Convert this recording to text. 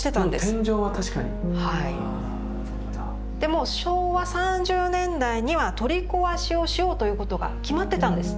もう昭和３０年代には取り壊しをしようということが決まってたんです。